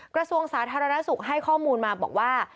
กระทรวงสาธารณสุขให้ข้อมูลมาบอกว่า